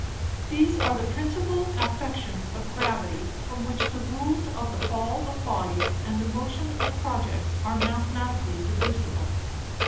These are the principal Affections of Gravity, from which the Rules of the Fall of Bodies, and the Motion of Projects are Mathematically deducible.